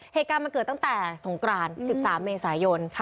เหตุการณ์มันเกิดตั้งแต่สงกราน๑๓เมษายน